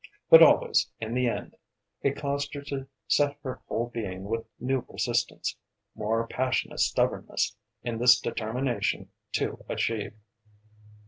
But always, in the end, it caused her to set her whole being with new persistence, more passionate stubbornness, in this determination to achieve.